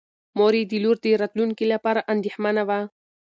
مور یې د لور د راتلونکي لپاره اندېښمنه وه.